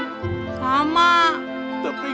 ya udah pak